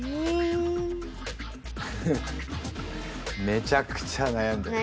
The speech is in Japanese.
めちゃくちゃなやんでる。